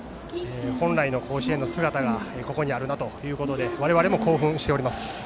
本来の甲子園の姿がここにあるということで興奮しています。